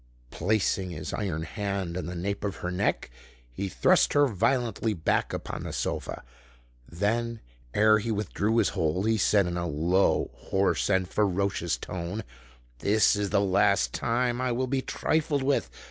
Placing his iron hand on the nape of her neck, he thrust her violently back upon the sofa: then, ere he withdrew his hold, he said in a low, hoarse, and ferocious tone, "This is the last time I will be trifled with.